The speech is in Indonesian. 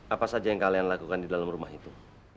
apa saja yang kalian lakukan di dalam rumah itu